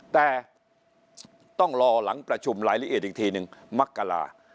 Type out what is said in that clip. แต่ต้องรอหลังประชุมรายละเอียดอีกทีหนึ่งมกรา